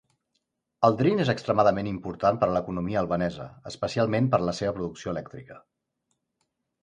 El Drin és extremadament important per a l'economia albanesa, especialment per a la seva producció elèctrica.